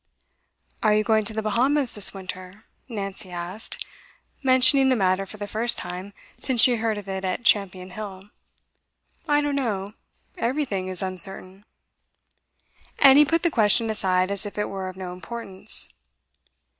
'Are you going to the Bahamas this winter?' Nancy asked, mentioning the matter for the first time since she heard of it at Champion Hill. 'I don't know. Everything is uncertain.' And he put the question aside as if it were of no importance.